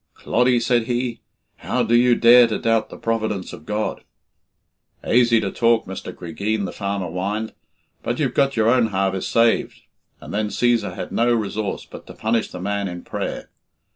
"Cloddy," said he, "how do you dare to doubt the providence of God?" "Aisy to talk, Mr. Cregeen," the farmer whined, "but you've got your own harvest saved," and then Cæsar had no resource but to punish the man in prayer.